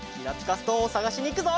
ストーンをさがしにいくぞ！